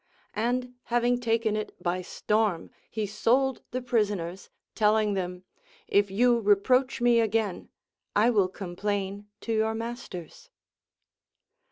And having taken it by storm, he sold the prisoners, telling them. If you reproach me again, I will complain to your masters.